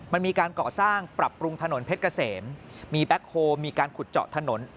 มันมีการก่อสร้างปรับปรุงถนนเพชรเกษมมีแบ็คโฮมีการขุดเจาะถนน